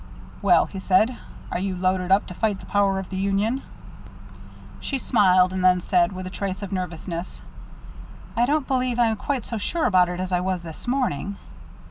"Well," he said, "are you loaded up to fight the 'power of the union'?" She smiled, and then said, with a trace of nervousness: "I don't believe I'm quite so sure about it as I was this morning."